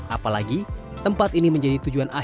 apalagi tempat ini menjadi tujuan akhir